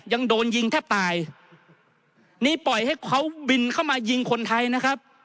ยังโดนยิงแทบตายนี่ปล่อยให้เขาบินเข้ามายิงคนไทยนะครับ